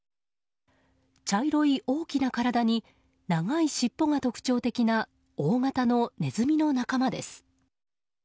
茶色い大きな体に長い尻尾が特徴的な大型のネズミの仲間です。